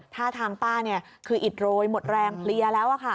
ท่าทางป้าคืออิดโรยหมดแรงเพลียแล้ว